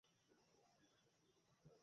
আমি আমার শহরের ছেলেকে বিয়ে করব।